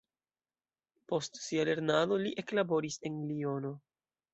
Post sia lernado li eklaboris en Liono.